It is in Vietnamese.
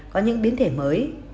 có những biến thể mới